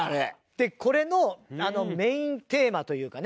でこれのメインテーマというかね。